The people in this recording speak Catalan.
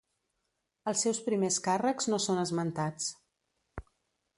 Els seus primers càrrecs no són esmentats.